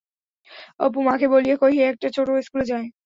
অপু মাকে বলিয়া কহিয়া একটা ছোট স্কুলে যায়।